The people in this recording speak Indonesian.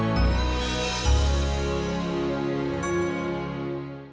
nggak ada orang